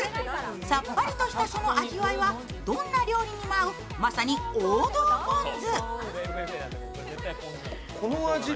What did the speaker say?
さっぱりとしたその味わいはどんな料理にも合うまさに王道ぽん酢。